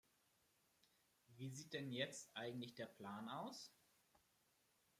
Wie sieht denn jetzt eigentlich der Plan aus?